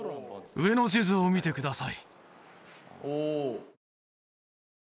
上の地図を見てください